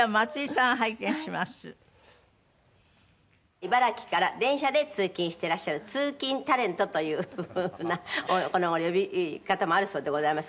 「茨城から電車で通勤してらっしゃる通勤タレントというふうなこの頃呼び方もあるそうでございますが」